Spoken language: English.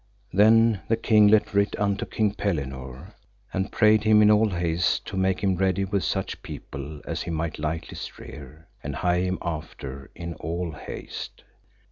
Then the king let write unto King Pellinore, and prayed him in all haste to make him ready with such people as he might lightliest rear and hie him after in all haste.